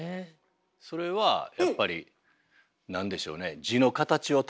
それはやっぱり何でしょうね